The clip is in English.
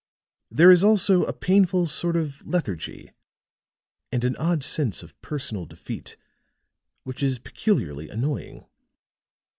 There is also a painful sort of lethargy and an odd sense of personal defeat which is peculiarly annoying.